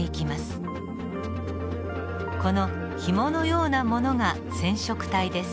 このひものようなものが染色体です。